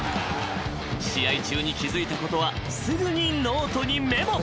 ［試合中に気付いたことはすぐにノートにメモ］